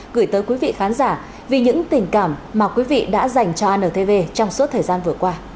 gửi tới quý vị khán giả vì những tình cảm mà quý vị đã dành cho antv trong suốt thời gian vừa qua